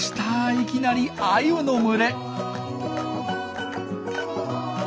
いきなりアユの群れ。